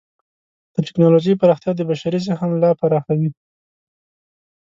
د ټکنالوجۍ پراختیا د بشري ذهن لا پراخوي.